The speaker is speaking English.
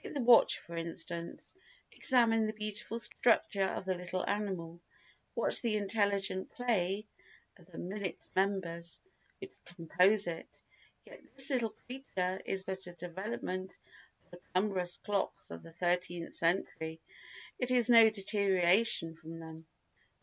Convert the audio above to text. Take the watch for instance. Examine the beautiful structure of the little animal, watch the intelligent play of the minute members which compose it; yet this little creature is but a development of the cumbrous clocks of the thirteenth century—it is no deterioration from them.